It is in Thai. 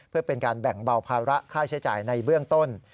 เพื่อเป็นการแบ่งเบาภาระค่าใช้จ่ายในเบื้องต้น